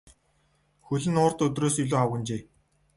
Хөл нь урд өдрөөс илүү хавагнажээ.